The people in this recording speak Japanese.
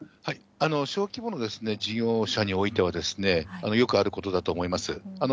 小規模の事業者においては、よくあることだと思います。